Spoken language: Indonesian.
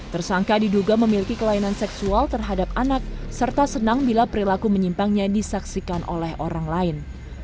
tersangka diduga memiliki kelainan seksual terhadap anak serta senang bila perilaku menyimpangnya disaksikan oleh orang lain